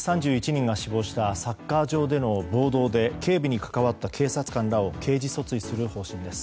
１３１人が死亡したサッカー場での暴動で警備に関わった警察官らを刑事訴追する方針です。